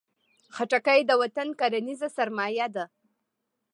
خټکی د وطن کرنیزه سرمایه ده.